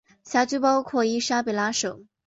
辖区包括伊莎贝拉省。